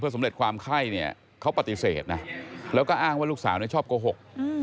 สำเร็จความไข้เนี่ยเขาปฏิเสธนะแล้วก็อ้างว่าลูกสาวเนี่ยชอบโกหก